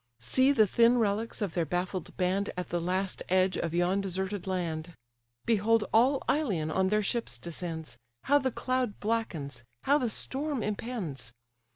See the thin relics of their baffled band At the last edge of yon deserted land! Behold all Ilion on their ships descends; How the cloud blackens, how the storm impends!